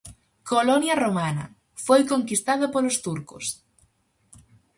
Colonia romana, foi conquistada polos turcos.